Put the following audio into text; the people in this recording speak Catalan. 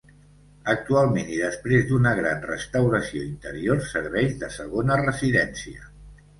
Actualment, i després d'una gran restauració interior, serveix de segona residència.